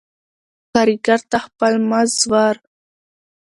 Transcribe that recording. کاريګر ته خپل مز ور